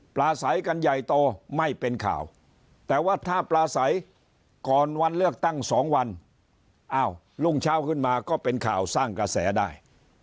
ปลาใสกันใหญ่โตไม่เป็นข่าวแต่ว่าถ้าปลาใสก่อนวันเลือกตั้ง๒วันอ้าวรุ่งเช้าขึ้นมาก็เป็นข่าวสร้างกระแสได้